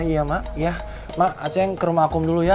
iya mak acing ke rumah akum dulu ya